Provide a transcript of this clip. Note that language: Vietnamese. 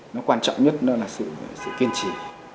nó quan trọng nhất đó là sự kiên trì